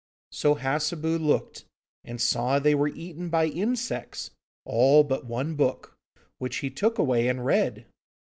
So Hassebu looked, and saw they were eaten by insects, all but one book, which he took away and read.